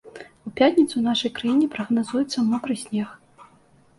У пятніцу ў нашай краіне прагназуецца мокры снег.